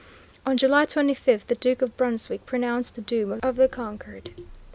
On July 25, the Duke of Brunswick pronounced the doom of the conquered.